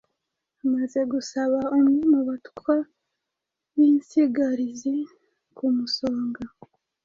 amaze gusaba umwe mu batwa b’insigarizi ku musonga.